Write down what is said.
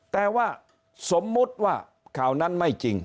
แต่ว่าสมมุติว่าข่าวนั้นไม่จริง